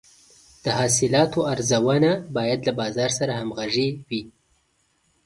د حاصلاتو ارزونه باید له بازار سره همغږې وي.